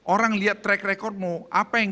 orang lihat track recordmu apa yang